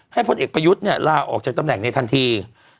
พลเอกประยุทธ์ลาออกจากตำแหน่งในทันที